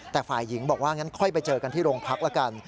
แต่ฝ่ายหญิงบอกว่างั้นค่อยไปเจอกันที่โรงพักแล้วกัน